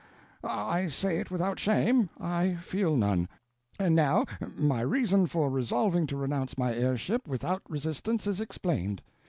I say it without shame—I feel none. And now my reason for resolving to renounce my heirship without resistance is explained.